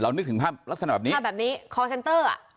นึกถึงภาพลักษณะแบบนี้ภาพแบบนี้คอร์เซ็นเตอร์อ่ะ